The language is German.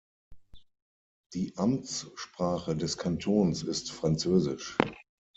Die Amtssprache des Kantons ist Französisch.